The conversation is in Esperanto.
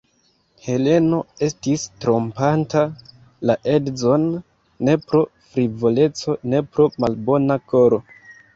Heleno estis trompanta la edzon ne pro frivoleco, ne pro malbona koro.